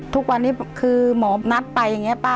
ทุกวันนี้คือหมอนัดไปอย่างนี้ป้า